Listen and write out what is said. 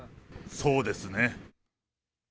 そうですね。